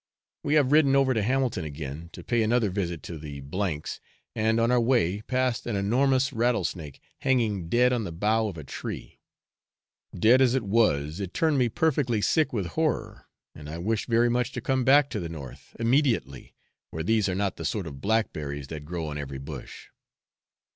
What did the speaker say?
We have ridden over to Hamilton again, to pay another visit to the F s, and on our way passed an enormous rattlesnake, hanging dead on the bough of a tree. Dead as it was, it turned me perfectly sick with horror, and I wished very much to come back to the north immediately, where these are not the sort of blackberries that grow on every bush.